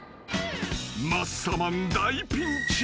［マッサマン大ピンチ］